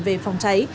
về phòng cháy